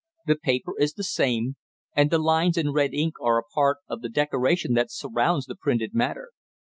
The paper is the same, and these lines in red ink are a part of the decoration that surrounds the printed matter.